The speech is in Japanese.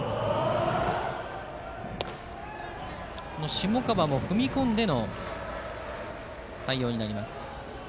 下川も踏み込んでの対応になります。